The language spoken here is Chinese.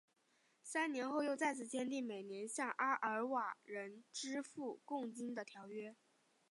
三年后又再次签订每年向阿瓦尔人支付贡金的条约。